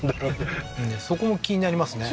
ねえそこも気になりますね